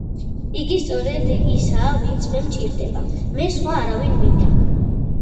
იგი სწორედ ისაა ვინც მე მჭირდება, მე სხვა არავინ მინდა.